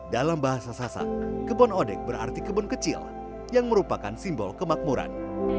dalam bahasa sasak kebon odek berarti kebun kecil yang merupakan simbol kemakmuran